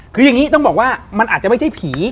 คืออย่างนี้ต้องบอกว่ามันอาจจะไม่ใช่ผี